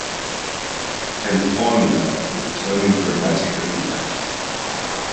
California is turning dramatically left.